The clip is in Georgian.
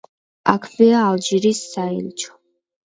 აქვეა ალჟირის საელჩო.